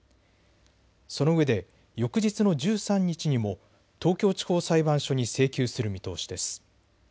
そのうえで翌日の１３日にも東京地方裁判所に請求する見通しです。